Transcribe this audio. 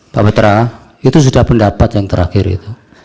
pak putra itu sudah pendapat yang terakhir itu